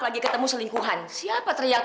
ini maya mau racikin buat bapak